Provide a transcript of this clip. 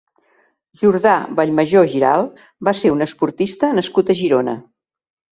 Jordà Vallmajó Giralt va ser un esportista nascut a Girona.